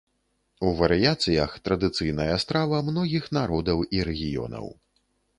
У варыяцыях традыцыйныя страва многіх народаў і рэгіёнаў.